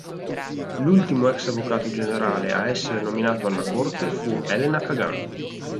L'ultimo ex Avvocato generale a essere nominato alla Corte fu Elena Kagan.